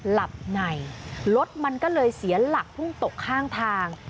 หลับในรถมันก็เลยเสียหลักพุ่งตกข้างทาง